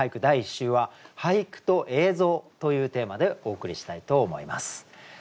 第１週は「俳句と映像」というテーマでお送りしたいと思います。